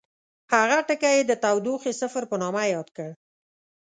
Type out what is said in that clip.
هغه ټکی یې د تودوخې صفر په نامه یاد کړ.